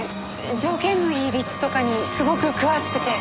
条件のいい立地とかにすごく詳しくて。